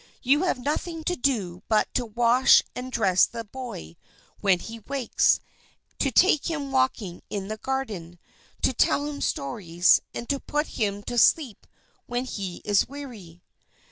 You have nothing to do but to wash and dress the boy when he wakes, to take him walking in the garden, to tell him stories, and to put him to sleep when he is weary."